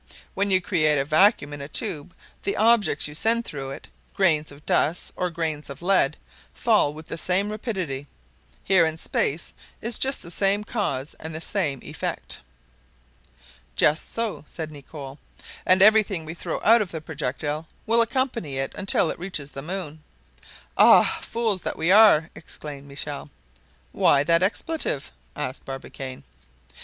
When you create a vacuum in a tube, the objects you send through it, grains of dust or grains of lead, fall with the same rapidity. Here in space is the same cause and the same effect." "Just so," said Nicholl, "and everything we throw out of the projectile will accompany it until it reaches the moon." "Ah! fools that we are!" exclaimed Michel. "Why that expletive?" asked Barbicane.